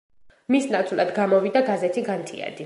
მის ნაცვლად გამოვიდა გაზეთი „განთიადი“.